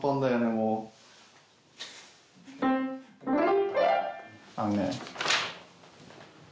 もうあのね